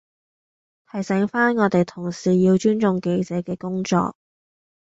提醒番我哋同事要尊重記者嘅工作